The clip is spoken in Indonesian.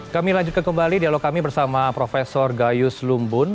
kami lanjutkan kembali dialog kami bersama prof gayus lumbun